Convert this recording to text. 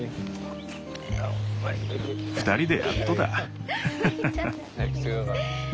２人でやっとだ。